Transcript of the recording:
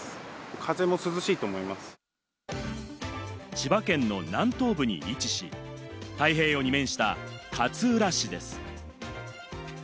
千葉県の南東部に位置し、太平洋に面した勝浦市です。